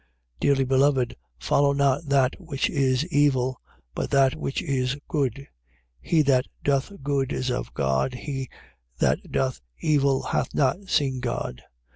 Dearly beloved, follow not that which is evil: but that which is good. He that doth good is of God: he that doth evil hath not seen God. 1:12.